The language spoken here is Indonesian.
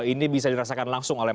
ini bisa dirasakan langsung oleh